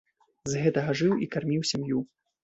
З гэтага жыў і карміў сям'ю.